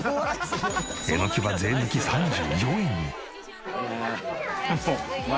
エノキは税抜き３４円に。